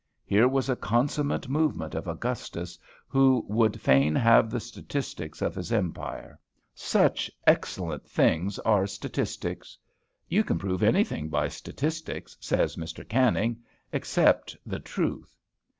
Here was a consummate movement of Augustus, who would fain have the statistics of his empire. Such excellent things are statistics! "You can prove anything by statistics," says Mr. Canning, "except the truth."